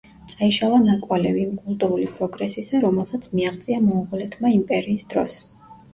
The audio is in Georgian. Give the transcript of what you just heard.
წაიშალა ნაკვალევი იმ კულტურული პროგრესისა რომელსაც მიაღწია მონღოლეთმა იმპერიის დროს.